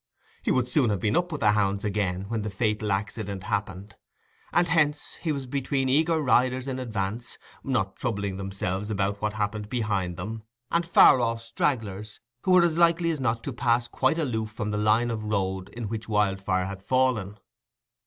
He would soon have been up with the hounds again, when the fatal accident happened; and hence he was between eager riders in advance, not troubling themselves about what happened behind them, and far off stragglers, who were as likely as not to pass quite aloof from the line of road in which Wildfire had fallen.